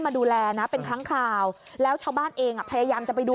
ดูแลนะเป็นครั้งคราวแล้วชาวบ้านเองอ่ะพยายามจะไปดู